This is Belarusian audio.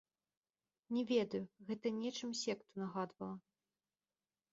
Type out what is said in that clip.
Не ведаю, гэта нечым секту нагадвала.